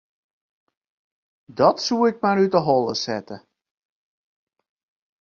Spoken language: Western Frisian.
Dat soe ik mar út 'e holle sette.